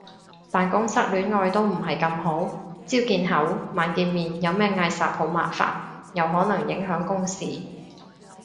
辦公室戀愛都唔係咁好，朝見口晚見面有咩嗌霎好麻煩，又可能影響公事